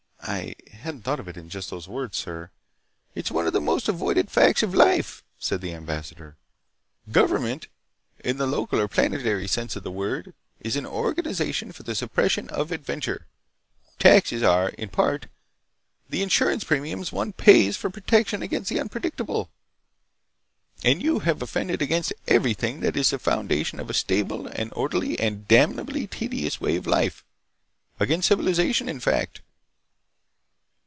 "I hadn't thought of it in just those words, sir—" "It is one of the most avoided facts of life," said the ambassador. "Government, in the local or planetary sense of the word, is an organization for the suppression of adventure. Taxes are, in part, the insurance premiums one pays for protection against the unpredictable. And you have offended against everything that is the foundation of a stable and orderly and damnably tedious way of life—against civilization, in fact."